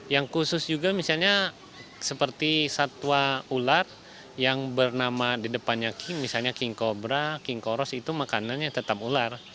yang khusus juga misalnya seperti satwa ular yang bernama di depannya king misalnya king cobra king coros itu makanannya tetap ular